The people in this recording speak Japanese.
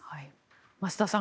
増田さん